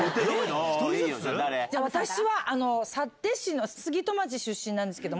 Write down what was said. １人ずつ⁉私は幸手市の杉戸町出身なんですけど。